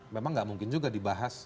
memang nggak mungkin juga dibahas